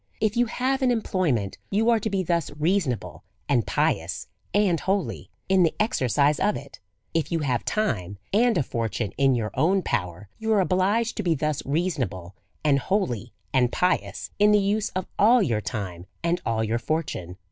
If you have an employment^ you are to be thus reasonable, and pious and holy, in the exercise of it ; if you have time, and a fortune in your own power^ you are obliged to be thus reasonable, and holy and pious, in the use of all your time, and all your fortune.